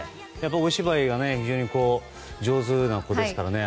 お芝居が非常に上手な子ですからね。